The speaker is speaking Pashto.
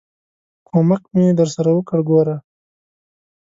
ک و م ک مې درسره وکړ، ګوره!